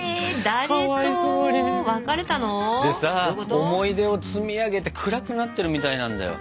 でさ思い出を積み上げて暗くなってるみたいなんだよ。